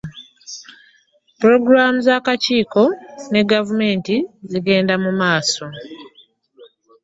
Pulogulaamu z'akakiiko ne gavumenti zigenda mu maaso.